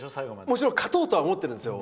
もちろん勝とうとは思ってるんですよ。